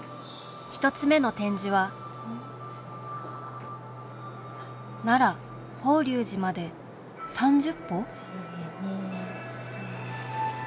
１つ目の展示は「奈良法隆寺まで３０歩」？